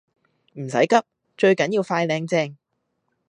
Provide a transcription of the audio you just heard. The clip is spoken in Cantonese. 唔使急，最緊要快靚正